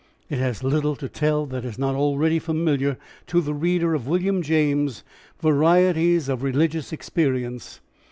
It has little to tell that is not already familiar to the reader of William James's "Varieties of Religious Experience."